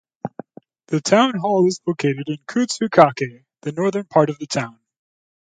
The town hall is located in Kutsukake, the northern part of the town.